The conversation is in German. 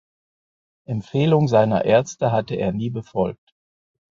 Empfehlungen seiner Ärzte hatte er nie befolgt.